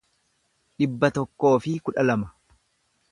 dhibba tokkoo fi kudha lama